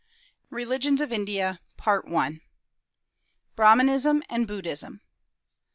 RELIGIONS OF INDIA. BRAHMANISM AND BUDDHISM.